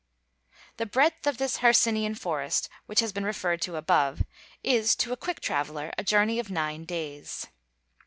The breadth of this Hercynian forest which has been referred to above is, to a quick traveler, a journey of nine days.